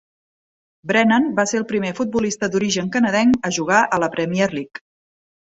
Brennan va ser el primer futbolista d'origen canadenc a jugar a la Premier League.